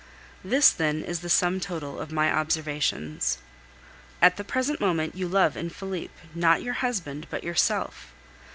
This, then, is the sum total of my observations. At the present moment you love in Felipe, not your husband, but yourself.